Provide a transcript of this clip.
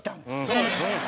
そうです！